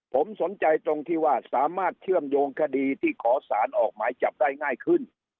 ผมสนใจตรงที่ว่าสามารถเชื่อมโยงคดีที่ขอสารออกหมายจับได้ง่ายขึ้น